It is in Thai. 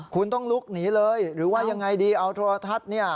คุณต้องลุกหนีเลยหรือว่ายังไงดีเอาโทรทัศน์เนี่ย